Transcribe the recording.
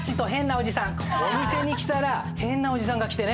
お店に来たら変なおじさんが来てね。